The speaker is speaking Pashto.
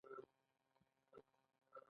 د هیواد دفاعي وړتیا لوړول اساسي دنده ده.